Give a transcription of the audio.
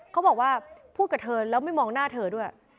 เขาบอกว่าพูดกับเธอแล้วไม่มองหน้าเธอด้วย